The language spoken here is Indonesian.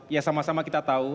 ya sama sama kita tahu